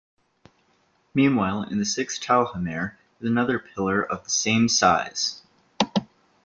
Meanwhile, in the sixth talhamare is another pillar of the same size.